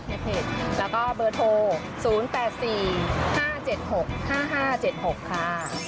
เพจแล้วก็เบอร์โทร๐๘๔๕๗๖๕๕๗๖ค่ะ